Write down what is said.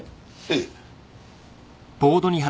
ええ。